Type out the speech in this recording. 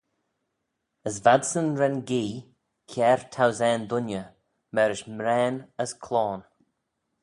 As v'adsyn ren gee, kiare thousane dooinney, marish mraane as cloan.